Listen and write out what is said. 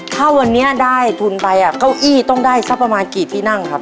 ถ้าวันนี้ได้ทุนไปเก้าอี้ต้องได้สักประมาณกี่ที่นั่งครับ